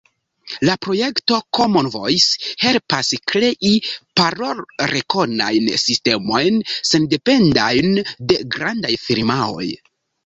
La projekto Common Voice helpas krei parolrekonajn sistemojn, sendependajn de grandaj firmaoj.